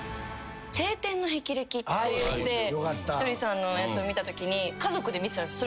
『青天の霹靂』っていってひとりさんのやつを見たときに家族で見てたんです。